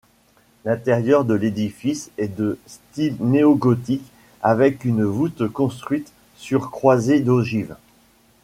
L’intérieur de l’édifice est de style néo-gothique avec une voûte construite sur croisée d’ogives.